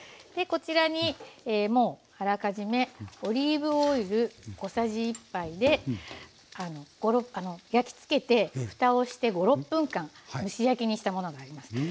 でこちらにもうあらかじめオリーブオイル小さじ１杯で焼き付けてふたをして５６分間蒸し焼きにしたものがあります。